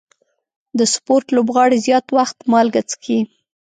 د سپورټ لوبغاړي زیات وخت مالګه څښي.